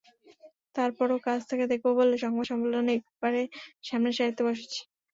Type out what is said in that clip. তার পরও কাছ থেকে দেখব বলে সংবাদ সম্মেলনে একেবারে সামনের সারিতে বসেছি।